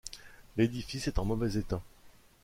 L'édifice est en mauvais état.